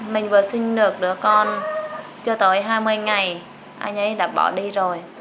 mình vừa sinh được đứa con chưa tới hai mươi ngày anh ấy đã bỏ đi rồi